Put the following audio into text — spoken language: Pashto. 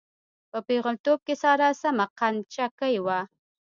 په پېغلتوب کې ساره سمه قند چکۍ وه.